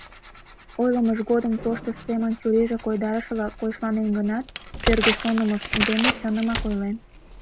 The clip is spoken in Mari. Ойлымыж годым тоштыж семын чурийже койдарышыла койышланен гынат, кӧргӧ шонымыж дене чынымак ойлен.